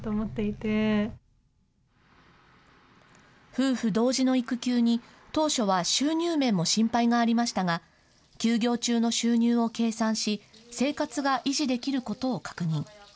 夫婦同時の育休に当初は収入面も心配がありましたが休業中の収入を計算し生活が維持できることを確認。